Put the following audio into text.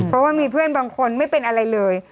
เพราะว่ามีเพื่อนบางคนไม่เป็นอะไรเลย